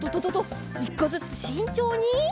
１こずつしんちょうに。